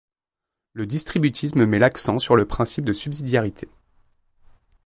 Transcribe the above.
Le distributisme met l'accent sur le principe de subsidiarité.